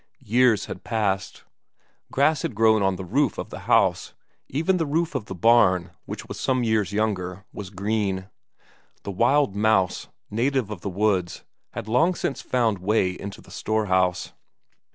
Years had passed. Grass had grown on the roof of the house, even the roof of the barn, which was some years younger, was green. The wild mouse, native of the woods, had long since found way into the storehouse.